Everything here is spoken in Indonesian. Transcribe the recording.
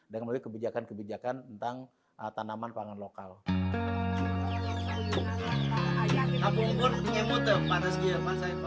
dan kemudian kebijakan kebijakan tentang tanaman pangan lokal